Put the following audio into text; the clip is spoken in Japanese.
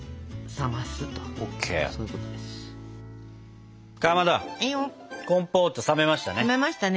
かまどコンポート冷めましたね。